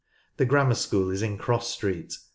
The Grammar School is in Cross Street.